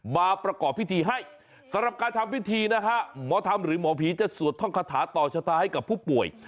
มาประกอบพิธีให้สำหรับการทำพิธีนะฮะหมอธรรมหรือหมอผีจะสวดท่องคาถาต่อชะตาให้กับผู้ป่วย